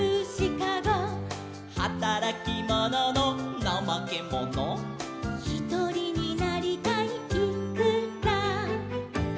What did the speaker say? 「はたらきもののなまけもの」「ひとりになりたいいくら」